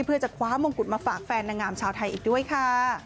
เพื่อจะคว้ามงกุฎมาฝากแฟนนางงามชาวไทยอีกด้วยค่ะ